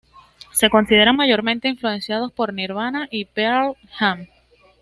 Se consideran mayormente influenciados por Nirvana y Pearl Jam.